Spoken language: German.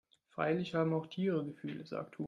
Freilich haben auch Tiere Gefühle, sagt Hubert.